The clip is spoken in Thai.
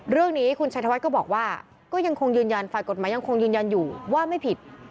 เรื่องนี้คุณชัยธวัฒน์ก็บอกว่าก็ยังคงยืนยันฝ่ายกฎหมายยังคงยืนยันอยู่ว่าไม่ผิด